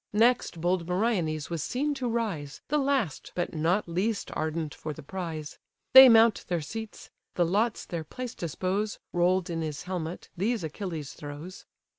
Next bold Meriones was seen to rise, The last, but not least ardent for the prize. They mount their seats; the lots their place dispose (Roll'd in his helmet, these Achilles throws).